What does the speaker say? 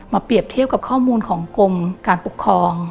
เปรียบเทียบกับข้อมูลของกรมการปกครอง